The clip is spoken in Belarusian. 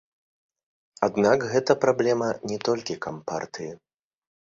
Аднак гэта праблема не толькі кампартыі.